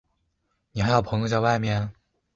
你还有朋友在外面？